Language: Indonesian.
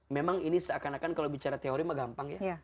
memang ini seakan akan kalau bicara teori mah gampang ya